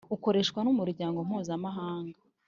Ukoreshwa n umuryango mpuzamahanga